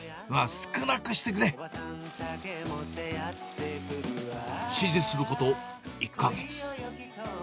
少なくしてくれ！指示すること１か月。